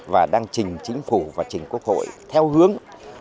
và đang chỉnh chính phủ và chỉnh quốc hội theo hướng